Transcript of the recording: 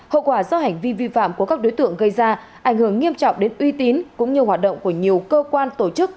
hậu quả do hành vi vi phạm của các đối tượng gây ra ảnh hưởng nghiêm trọng đến uy tín cũng như hoạt động của nhiều cơ quan tổ chức